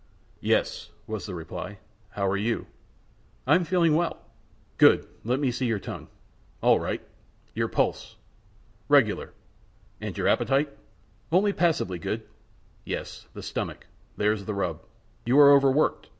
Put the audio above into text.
"Yes," was the reply. "How are you?" "I am feeling well." "Good! Let me see your tongue. All right! Your pulse. Regular! And your appetite?" "Only passably good." "Yes, the stomach. There's the rub. You are over worked.